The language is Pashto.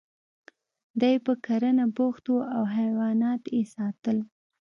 دی په کرنه بوخت و او حیوانات یې ساتل